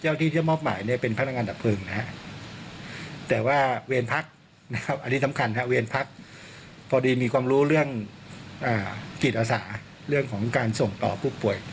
ที่เที่ยวมอบหมายเนี่ยเป็นพนักงานดับเพลิงนะฮะแต่ว่าเวรพักนะครับอันนี้สำคัญฮะเวรพักพอดีมีความรู้เรื่องจิตอาสาเรื่องของการส่งต่อผู้ป่วย